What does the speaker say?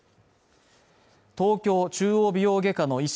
東京中央美容外科の医師